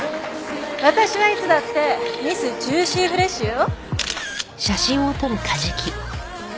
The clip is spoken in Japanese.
私はいつだってミスジューシーフレッシュよ。